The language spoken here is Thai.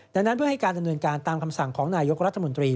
ดังนั้นเพื่อให้การดำเนินการตามคำสั่งของนายกรัฐมนตรี